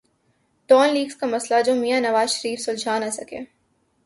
Dawn leaks کا مسئلہ جو میاں نواز شریف سلجھا نہ سکے۔